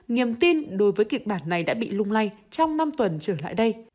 niềm tin đối với kịch bản này đã bị lung lay trong năm tuần trở lại đây